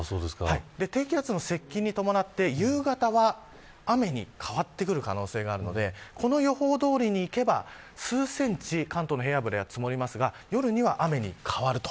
低気圧の接近に伴って、夕方は雨に変わってくる可能性があるのでこの予報通りにいけば数センチ関東の平野部で積もりますが夜には雨に変わると。